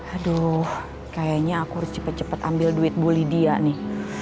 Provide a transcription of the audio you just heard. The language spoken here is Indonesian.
aduh kayaknya aku harus cepat cepat ambil duit bully dia nih